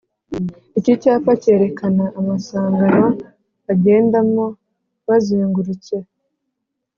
Iki cyapa Cyerekana amasangano bangendamo bazengurutse